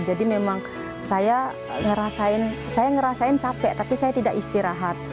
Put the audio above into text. memang saya ngerasain saya ngerasain capek tapi saya tidak istirahat